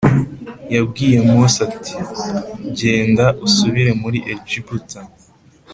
yabwiye Mose ati genda usubire muri Egiputa.